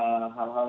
terima kasih pak